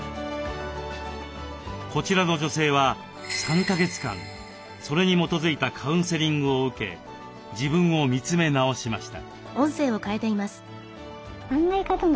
こちらの女性は３か月間それに基づいたカウンセリングを受け自分を見つめ直しました。